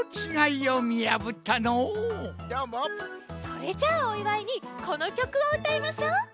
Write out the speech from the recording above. それじゃあおいわいにこのきょくをうたいましょう。